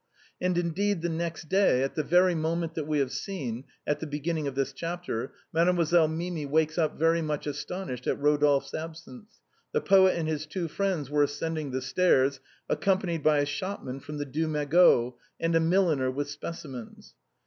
And, indeed, the next day, at the very moment that we have seen, at the beginning of this chapter. Mademoiselle Mimi woke up very much astonished at Eodolphe's absence, the poet and his two friends were ascending the stairs, accompanied by a shopman from the Deux Magots and a milliner with specimens.